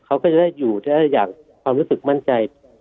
เขาก็จะได้อยู่ได้อย่างความรู้สึกมั่นใจ